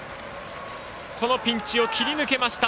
このピンチを切り抜けました！